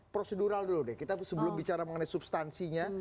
prosedural dulu deh kita sebelum bicara mengenai substansinya